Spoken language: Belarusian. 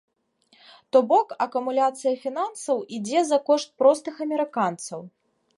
То бок акумуляцыя фінансаў ідзе за кошт простых амерыканцаў.